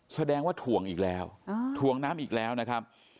แสดงว่าถ่วงอีกแล้วถ่วงน้ำอีกแล้วนะครับ